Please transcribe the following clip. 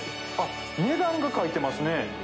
値段が書いてますね。